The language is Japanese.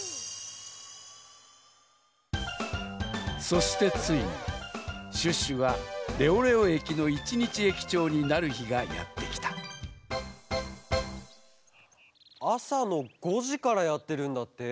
そしてついにシュッシュがレオレオ駅の一日駅長になるひがやってきたあさの５じからやってるんだって？